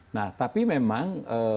nah tapi memang